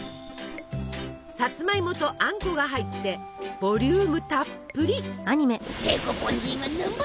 さつまいもとあんこが入ってボリュームたっぷり。